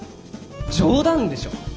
冗談でしょ。